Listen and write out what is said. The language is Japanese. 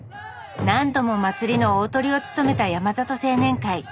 何度も祭りの大トリを務めた山里青年会。